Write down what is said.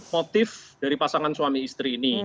motif dari pasangan suami istri ini